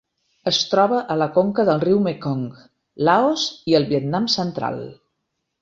Es troba a la conca del riu Mekong, Laos i el Vietnam central.